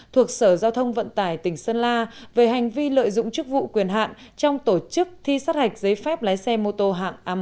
thuộc sở giao thông vận tải tỉnh sơn la về hành vi lợi dụng chức vụ quyền hạn trong tổ chức thi sát hạch giấy phép lái xe mô tô hạng a một